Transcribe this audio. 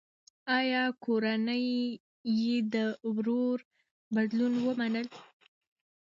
ایا کورنۍ یې د ورور بدلون ومنه؟